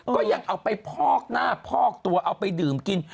ก็ยังเอาไปพอกหน้าพอกตัวเอาไปดื่มกิน